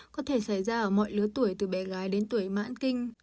có thể xảy ra ở mọi lứa tuổi từ bé gái đến tuổi mãn kinh